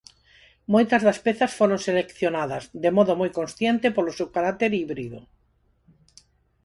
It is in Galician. Moitas das pezas foron seleccionadas, de modo moi consciente, polo seu carácter 'híbrido'.